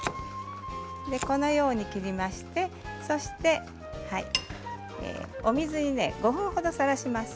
このように切りまして、そしてお水に５分ほどさらします。